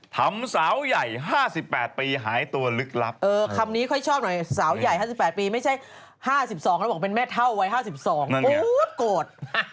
คำนี้ค่อยชอบหน่อยสาวใหญ่๕๘ปีไม่ใช่๕๒แล้วบอกเป็นแม่เท่าวัย๕๒โกรธ